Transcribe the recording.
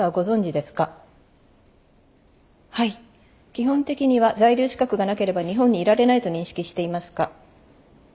基本的には在留資格がなければ日本にいられないと認識していますか？